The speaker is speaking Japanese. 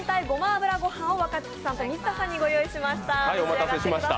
油ご飯を若槻さんと水田さんにご用意しました。